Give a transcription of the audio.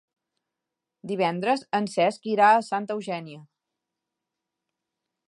Divendres en Cesc irà a Santa Eugènia.